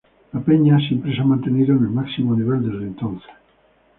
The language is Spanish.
La peña siempre se ha mantenido en el máximo nivel desde entonces.